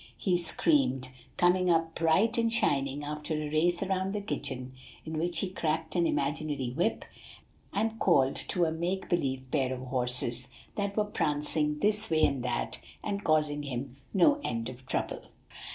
he screamed, coming up bright and shining after a race around the kitchen, in which he cracked an imaginary whip, and called to a make believe pair of horses that were prancing this way and that and causing him no end of trouble.